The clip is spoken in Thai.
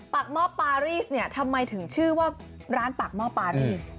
หม้อปารีสเนี่ยทำไมถึงชื่อว่าร้านปากหม้อปารีส